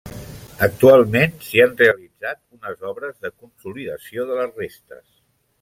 Actualment s'hi han realitzat unes obres de consolidació de les restes.